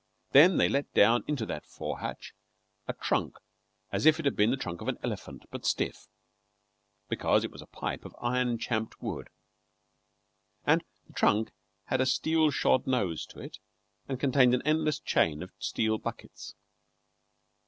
Then they let down into that fore hatch a trunk as if it had been the trunk of an elephant, but stiff, because it was a pipe of iron champed wood. And the trunk had a steel shod nose to it, and contained an endless chain of steel buckets.